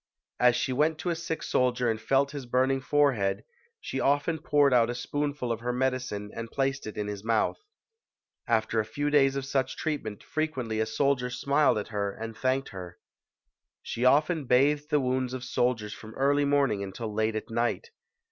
As she went to a sick soldier and felt his burning forehead, she often poured out a spoonful of her medicine and placed it in his mouth. After a few days of such treatment frequently a soldier smiled at her and thanked her. She often bathed the wounds of soldiers from early morning until late at night.